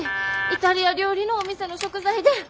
イタリア料理のお店の食材で。